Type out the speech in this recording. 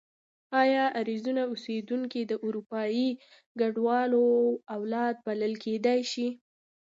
ایا اریزونا اوسېدونکي د اروپایي کډوالو اولاد بلل کېدای شي؟